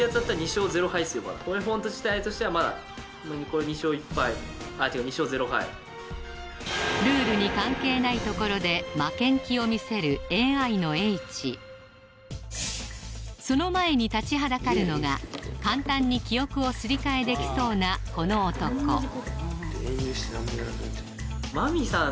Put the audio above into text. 今１勝１敗でもルールに関係ないところでを見せるＡＩの叡智その前に立ちはだかるのが簡単に記憶をすり替えできそうなこの男マミィさん